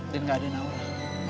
dan gak ada naurah